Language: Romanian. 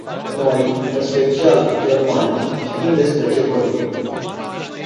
Noi, în special, germanii, știm despre ce vorbim.